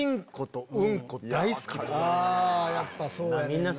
やっぱそうやねんな。